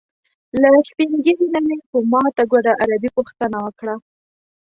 له سپین ږیري نه مې په ماته ګوډه عربي پوښتنه وکړه.